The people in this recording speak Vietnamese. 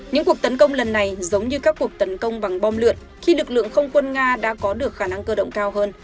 những cuộc tấn công lần này giống như các cuộc tấn công bằng bom lượn khi lực lượng không quân nga đã có được khả năng cơ động cao hơn